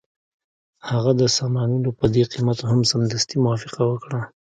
هغه د سامانونو په دې قیمت هم سمدستي موافقه وکړه